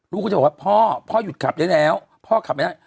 ลูกก็จะบอกว่าพ่อพ่อหยุดขับได้แล้วพ่อขับไม่ได้